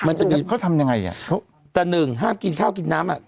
มันจะดีเขาทำยังไงอ่ะแต่หนึ่งห้ามกินข้าวกินน้ำอ่ะ